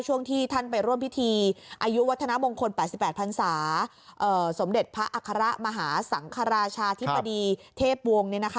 ช่วงที่ท่านไปร่วมพิธีอายุวัฒนามงคล๘๘พันศาสมเด็จพระอัครมหาสังคราชาธิบดีเทพวงศ์